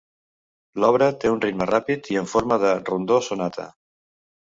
L'obra té un ritme ràpid i en forma de rondó sonata.